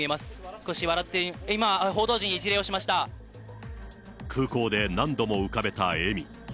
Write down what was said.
少し笑って、今、空港で何度も浮かべた笑み。